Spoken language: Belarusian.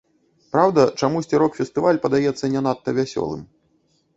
Праўда, чамусьці рок-фестываль падаецца не надта вясёлым.